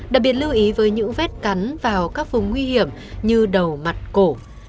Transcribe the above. đặc biệt lưu ý với những vết cắn vào các vùng nguy hiểm như đầu mặt cổ